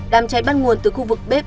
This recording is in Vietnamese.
đám cháy bắt nguồn từ khu vực bếp